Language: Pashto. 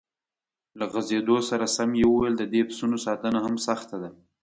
له غځېدو سره سم یې وویل: د دې پسونو ساتنه هم سخته ده.